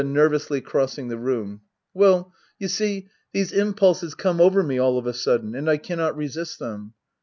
[Nervously crossing the room,'] Well, you see — these impulses come over me all of a sudden ; and I cannot resist them.